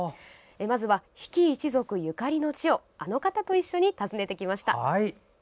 まずは、比企一族ゆかりの地をあの方と一緒に訪ねてきました。